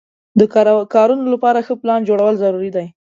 د کارونو لپاره ښه پلان جوړول ضروري دي.